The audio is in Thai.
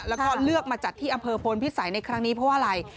แล้วก็เลือกมาจัดที่อำเภอพลพิสัยในครั้งนี้เพราะว่าอะไร